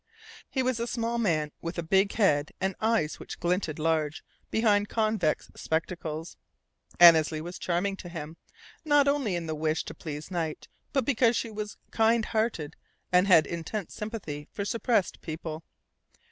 He was a small man with a big head and eyes which glinted large behind convex spectacles. Annesley was charming to him, not only in the wish to please Knight but because she was kind hearted and had intense sympathy for suppressed people.